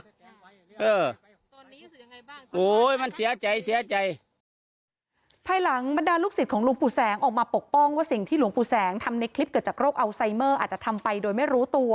เออตอนนี้รู้สึกยังไงบ้างโอ้ยมันเสียใจเสียใจภายหลังบรรดาลูกศิษย์ของหลวงปู่แสงออกมาปกป้องว่าสิ่งที่หลวงปู่แสงทำในคลิปเกิดจากโรคอัลไซเมอร์อาจจะทำไปโดยไม่รู้ตัว